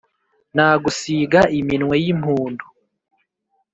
nagusiga iminwe y’impumdu